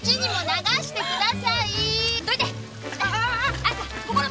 どいて！